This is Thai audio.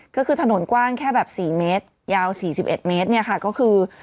ก็คือถนนกว้างแค่แบบ๔เมตรยาว๔๑เมตรเนี่ยค่ะก็คือ